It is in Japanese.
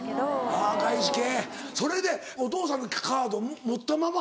あ外資系それでお父さんのカード持ったまま？